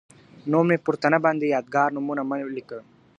نور مي پر تنه باندي یادګار نومونه مه لیکه .